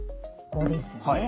ここですね。